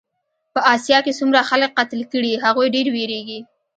په اسیا کې څومره خلک قتل کړې هغوی ډېر وېرېږي.